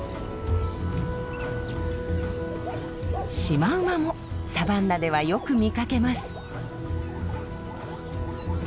シマウマもサバンナではよく見かけます。